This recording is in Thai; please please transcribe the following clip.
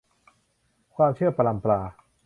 ความเชื่อปรัมปรา